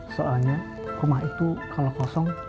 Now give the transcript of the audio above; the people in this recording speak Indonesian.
soalnya rumah itu kalau kosong